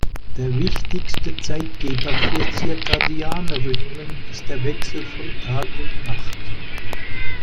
Der wichtigste Zeitgeber für circadiane Rhythmen ist der Wechsel von Tag und Nacht.